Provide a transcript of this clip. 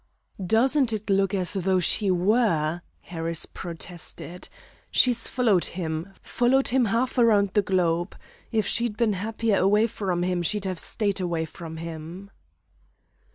"Doesn't it look as though she were?" Harris protested. "She's followed him followed him half around the globe. If she'd been happier away from him, she'd have stayed away from him."